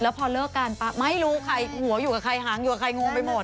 พอเลิกกันปั๊บไม่รู้ใครหัวอยู่กับใครหางอยู่กับใครงงไปหมด